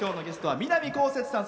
南こうせつさん。